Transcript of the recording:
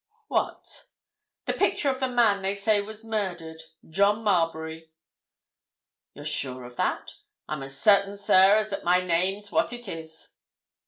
"What?" "The picture of the man they say was murdered—John Marbury." "You're sure of that?" "I'm as certain, sir, as that my name's what it is."